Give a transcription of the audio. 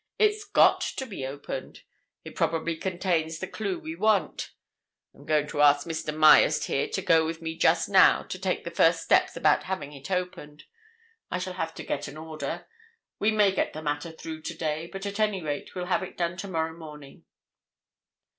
"It's got to be opened. It probably contains the clue we want. I'm going to ask Mr. Myerst here to go with me just now to take the first steps about having it opened. I shall have to get an order. We may get the matter through today, but at any rate we'll have it done tomorrow morning."